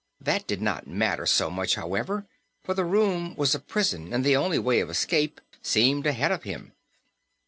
That did not matter so much, however, for the room was a prison and the only way of escape seemed ahead of him.